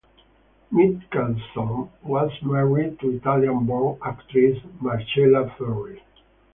Mitchelson was married to Italian-born actress Marcella Ferri.